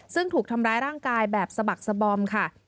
ซึ่งถูกทำร้ายร่างกายแบบสะบักสบอมค่ะ